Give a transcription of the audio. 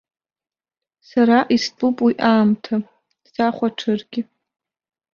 Сара истәуп уи аамҭа, сахәаҽыргьы.